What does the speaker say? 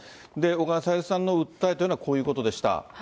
小川さゆりさんの訴えというのはこういうことでした。